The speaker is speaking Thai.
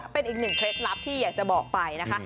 เป็นอีกหนึ่งเคล็ดลับที่อยากจะบอกไปนะคะ